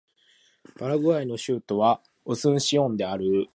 パラグアイの首都はアスンシオンである